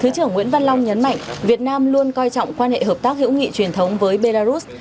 thứ trưởng nguyễn văn long nhấn mạnh việt nam luôn coi trọng quan hệ hợp tác hữu nghị truyền thống với belarus